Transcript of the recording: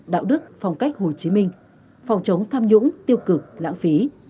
đạo đức phong cách hồ chí minh phòng chống tham nhũng tiêu cực lãng phí